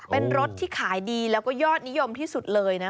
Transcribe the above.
เป็นรถที่ขายดีแล้วก็ยอดนิยมที่สุดเลยนะ